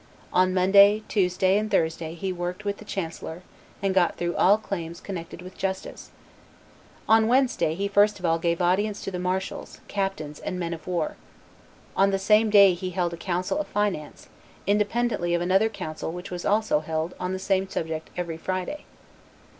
On Monday, Tuesday, and Thursday he worked with the chancellor, and got through all claims connected with justice. On Wednesday he first of all gave audience to the marshals, captains, and men of war. On the same day he held a council of finance, independently of another council which was also held on the same subject every Friday."